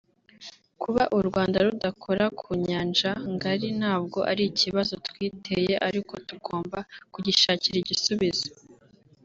Kuba u Rwanda rudakora ku nyanja ngari ntabwo ari ikibazo twiteye ariko tugomba kugishakira igisubizo”